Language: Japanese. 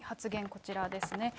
こちらですね。